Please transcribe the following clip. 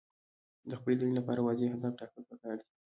د خپلې دندې لپاره واضح اهداف ټاکل پکار دي.